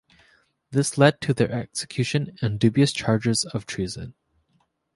This led to their execution on dubious charges of treason.